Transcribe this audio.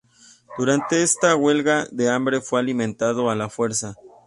Durante esta huelga de hambre fue alimentado a la fuerza.